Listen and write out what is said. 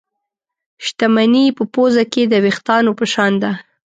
شتمني په پوزه کې د وېښتانو په شان ده.